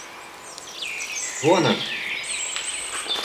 Вон он!